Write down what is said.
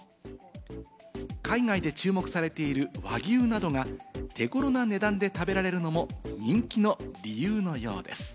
海外で注目されている和牛などが手頃な値段で食べられるのも人気の理由のようです。